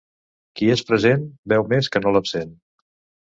Qui és present, veu més que no l'absent.